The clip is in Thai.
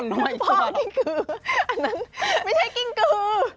อันนั้นไม่ใช่กิ้งกือ